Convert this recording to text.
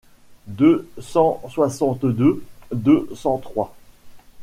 deux cent soixante-deux deux cent trois.